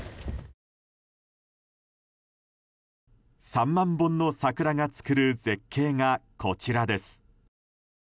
３万本の桜が作る絶景がこちらです。